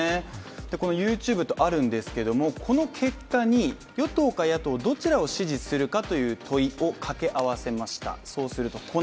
ＹｏｕＴｕｂｅとあるんですけれども、この結果に与党か野党どちらを支持するかという問いを掛け合わせました。